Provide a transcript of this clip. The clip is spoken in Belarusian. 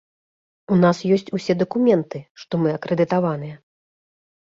У нас ёсць усе дакументы, што мы акрэдытаваныя.